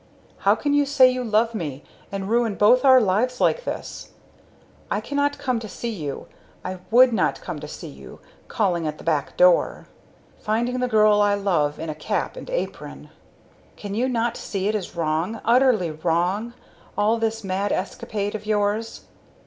How can you say you love me and ruin both our lives like this? I cannot come to see you I would not come to see you calling at the back door! Finding the girl I love in a cap and apron! Can you not see it is wrong, utterly wrong, all this mad escapade of yours?